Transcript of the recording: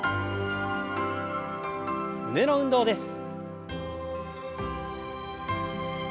胸の運動です。